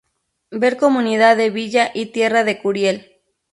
Ver Comunidad de villa y tierra de Curiel.